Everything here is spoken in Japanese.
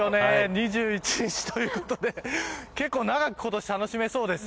２１日ということで結構長く今年楽しめそうです。